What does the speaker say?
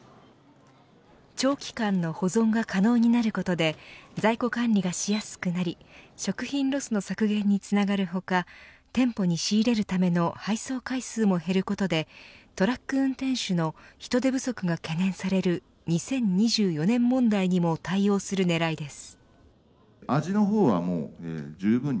長期間の保存が可能になることで在庫管理がしやすくなり食品ロスの削減につながる他店舗に仕入れるための配送回数も減ることでトラック運転手の人手不足が懸念される２０２４年問題にも対応する狙いです。